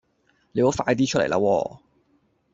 你好快啲出嚟啦喎